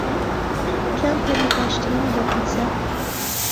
کام پەنیر باشترینە بۆ پیتزا؟